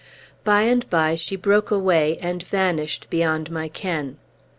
By and by she broke away, and vanished beyond my ken.